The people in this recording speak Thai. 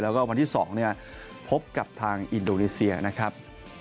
แล้วก็วันที่๒พบกับทางอินโดนีเซียนะครับ